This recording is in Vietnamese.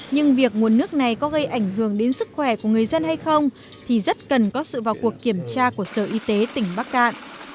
nhưng việc nguồn nước này có gây ảnh hưởng đến sức khỏe của người dân hay không thì rất cần có sự vào cuộc kiểm tra của sở y tế tỉnh bắc cạn